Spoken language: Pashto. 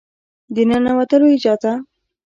د ننوتلو اجازه